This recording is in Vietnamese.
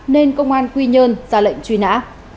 nên công an quy nhơn ra lệnh truy nã